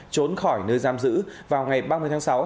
trốn khỏi nơi giam giữ vào ngày ba mươi tháng sáu